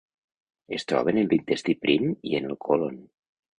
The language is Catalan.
Es troben en l'intestí prim i en el còlon.